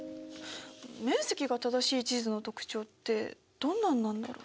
面積が正しい地図の特徴ってどんなんなんだろ。